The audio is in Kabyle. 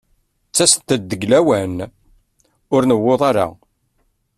Ttasent-d deg lawan ur tnewwuḍ ara.